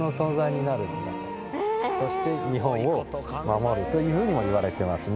そして日本を守るというふうにもいわれてますね。